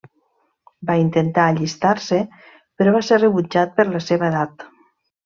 Va intentar allistar-se, però va ser rebutjat per la seva edat.